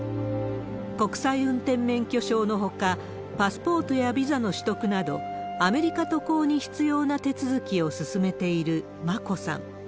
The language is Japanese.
国際運転免許証のほか、パスポートやビザの取得など、アメリカ渡航に必要な手続きを進めている眞子さん。